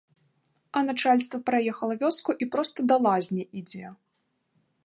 А начальства праехала вёску і проста да лазні ідзе.